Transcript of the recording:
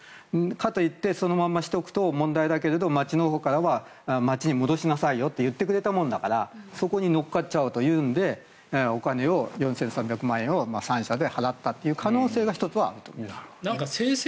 かといってそのままにしておくと問題だけれど、町のほうからは町に戻しなさいよと言ってくれたもんだからそこに乗っかっちゃおうというのでお金を、４３００万円を３社で払ったという可能性が１つはあると思います。